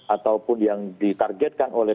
ataupun yang ditargetkan oleh